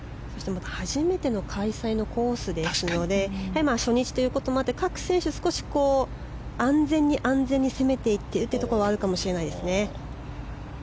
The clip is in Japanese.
初めての開催のコースですので初日ということもあって各選手、少し安全に安全に攻めていっているというところはあるかもしれないですね。